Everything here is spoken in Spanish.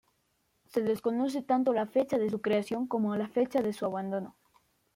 Se desconoce tanto la fecha de su creación como la fecha de su abandono.